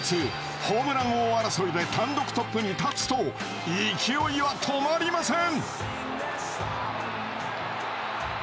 ホームラン王争いで単独トップに立つと勢いは止まりません。